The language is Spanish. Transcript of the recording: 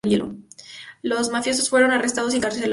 Los mafiosos fueron arrestados y encarcelados.